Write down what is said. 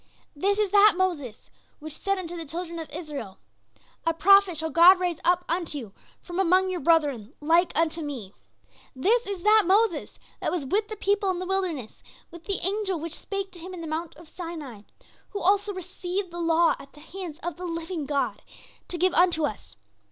"This is that Moses which said unto the children of Israel, 'A prophet shall God raise up unto you from among your brethren like unto me.' This is that Moses that was with the people in the wilderness, with the angel which spake to him in the Mount of Sinai, who also received the law at the hands of the living God to give unto us.